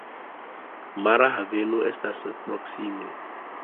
Mara haveno estas proksime.